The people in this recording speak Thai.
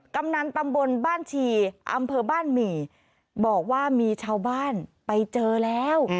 กำนันตำบลบ้านชีอำเภอบ้านหมี่บอกว่ามีชาวบ้านไปเจอแล้ว